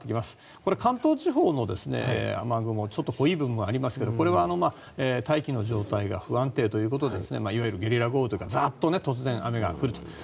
これ、関東地方の雨雲ちょっと濃い部分がありますがこれは大気の状態が不安定ということでいわゆるゲリラ豪雨というかザーッと突然雨が降ると。